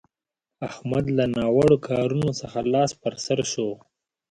احمد له ناوړه کارونه څخه لاس پر سو شو.